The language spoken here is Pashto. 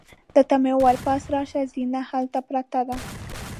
ده ته مې وویل: پاس راشه، زینه هلته پرته ده.